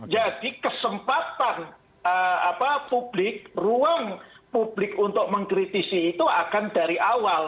jadi kesempatan publik ruang publik untuk mengkritisi itu akan dari awal